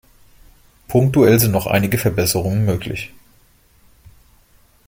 Punktuell sind noch einige Verbesserungen möglich.